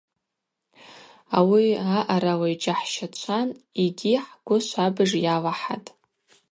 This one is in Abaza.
Ауи аъарала йджьахӏщачватӏ йгьи хӏгвы швабыж йалахӏатӏ.